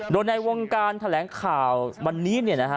โดยในวงการแถลงข่าววันนี้เนี่ยนะฮะ